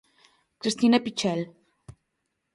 Cristina Pichel.